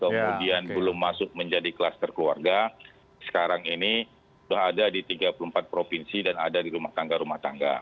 kemudian belum masuk menjadi kluster keluarga sekarang ini sudah ada di tiga puluh empat provinsi dan ada di rumah tangga rumah tangga